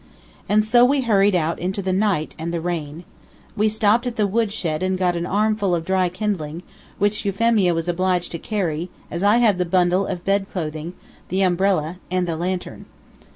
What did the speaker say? And so we hurried out into the night and the rain. We stopped at the wood shed and got an armful of dry kindling, which Euphemia was obliged to carry, as I had the bundle of bed clothing, the umbrella, and the lantern.